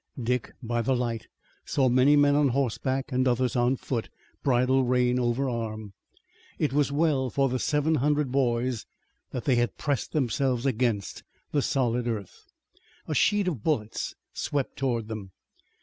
Dick by the light saw many men on horseback and others on foot, bridle rein over arm. It was well for the seven hundred boys that they had pressed themselves against the solid earth. A sheet of bullets swept toward them.